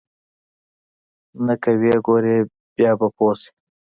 نه که ويې وګورې بيا به پوى شې.